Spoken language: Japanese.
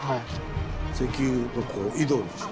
石油のこう井戸でしょ。